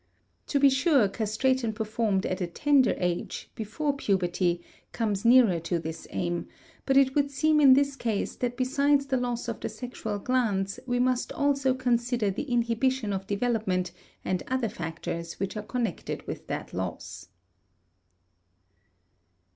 To be sure, castration performed at a tender age, before puberty, comes nearer to this aim, but it would seem in this case that besides the loss of the sexual glands we must also consider the inhibition of development and other factors which are connected with that loss.